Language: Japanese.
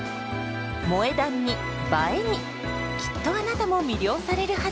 「萌え断」に「映え」にきっとあなたも魅了されるはず！